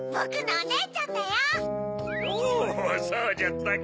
おそうじゃったか。